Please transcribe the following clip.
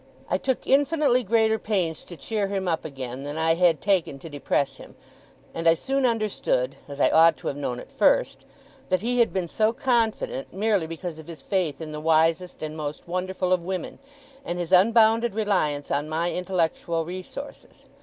I took infinitely greater pains to cheer him up again than I had taken to depress him; and I soon understood (as I ought to have known at first) that he had been so confident, merely because of his faith in the wisest and most wonderful of women, and his unbounded reliance on my intellectual resources.